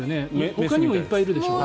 ほかにもいっぱいいるでしょ。